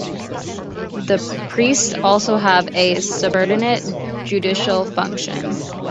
The priests also have a subordinate judicial function.